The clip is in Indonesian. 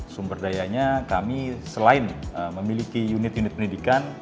sumber dayanya kami selain memiliki unit unit pendidikan